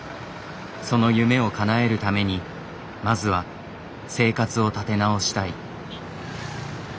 その夢をかなえるためにまずは生活を立て直したい。